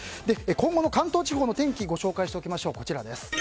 今後の関東地方の天気ご紹介しておきましょう。